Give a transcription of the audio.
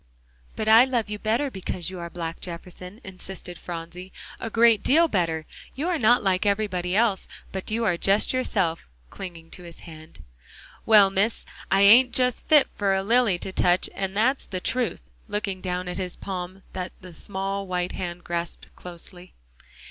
"But I love you better because you are black, Jefferson," insisted Phronsie, "a great deal better. You are not like everybody else, but you are just yourself," clinging to his hand. "Well, Miss, I ain't just fit for a lily to touch and that's the truth," looking down at his palm that the small white hand grasped closely.